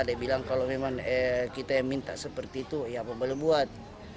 dia bilang kalau memang kita yang minta seperti itu ya apa boleh buat